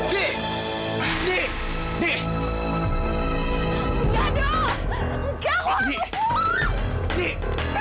bentik bentik bentik